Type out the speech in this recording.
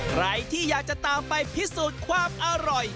ใครที่อยากจะตามไปพิสูจน์ความอร่อย